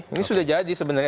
ini sudah jadi sebenarnya